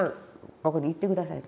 ここに行って下さい」と。